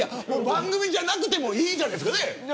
番組じゃなくてもいいじゃないですか。